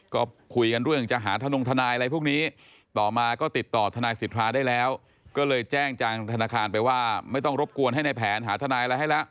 ก็คุยกันเรื่องจะหาทะนงทนายอะไรพวกนี้